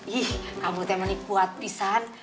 ih kamu temenin kuat pisan